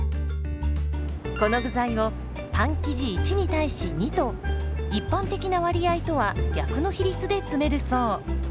この具材をパン生地１に対し２と一般的な割合とは逆の比率で詰めるそう。